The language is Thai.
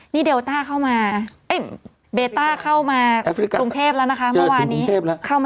นี่เดลต้าเข้ามาเบต้าเข้ามากรุงเทพแล้วนะคะเมื่อวานนี้